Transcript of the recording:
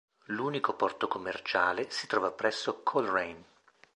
L'unico porto commerciale si trova presso Coleraine.